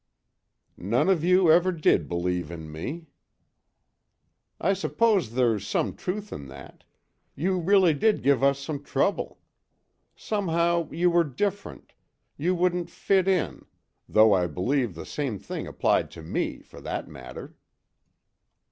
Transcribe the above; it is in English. "None of you ever did believe in me." "I suppose there's some truth in that; you really did give us some trouble. Somehow you were different you wouldn't fit in though I believe the same thing applied to me, for that matter."